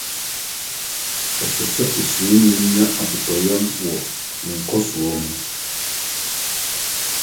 Ɛsɛ sɛ osuani no nya abotɔyam wɔ ne nkɔso ho.